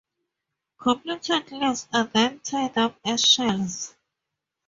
Completed leaves are then tied up as sheaves.